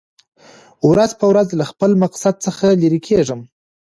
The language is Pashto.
ورځ په ورځ له خپل مقصد څخه لېر کېږم .